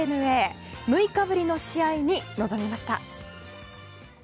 ６日ぶりの試合に臨みました。